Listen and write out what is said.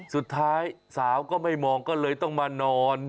สุดท้ายสาวก็ไม่มองก็เลยต้องมานอน